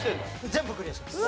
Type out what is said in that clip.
全部クリアしてます。